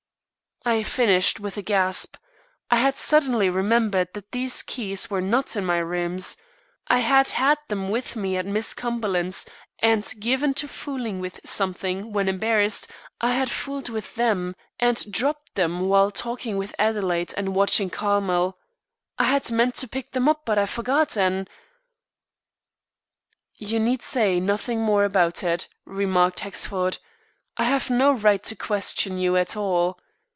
I finished with a gasp. I had suddenly remembered that these keys were not in my rooms. I had had them with me at Miss Cumberland's and being given to fooling with something when embarrassed, I had fooled with them and dropped them while talking with Adelaide and watching Carmel. I had meant to pick them up but I forgot and "You need say nothing more about it," remarked Hexford. "I have no right to question you at all."